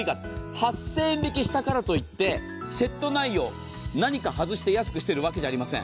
８０００円引きしたからといってセット内容、何か外して安くしているわけじゃありません。